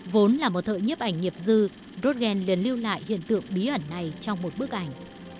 vốn là một thợ nhếp ảnh nghiệp dư rogaine liền lưu lại hiện tượng bí ẩn này trong một bức ảnh